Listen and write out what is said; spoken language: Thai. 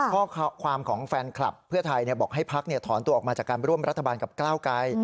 ข้อความของแฟนคลับเพื่อไทยบอกให้พักถอนตัวออกมาจากการร่วมรัฐบาลกับก้าวไกร